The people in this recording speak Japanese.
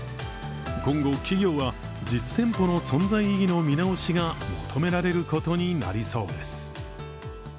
今後、企業は実店舗の存在意義の見直しが求められることになりそうです。